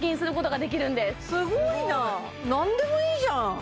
すごい何でもいいじゃん！